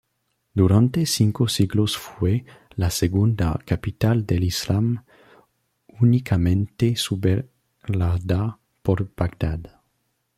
Durante cinco siglos fue la segunda capital del Islam, únicamente superada por Bagdad.